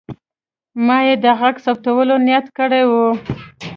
ما یې د غږ ثبتولو نیت کړی و.